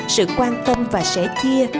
sự quan tâm và sẻ chia